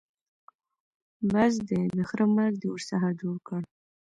بس دی؛ د خره مرګ دې ورڅخه جوړ کړ.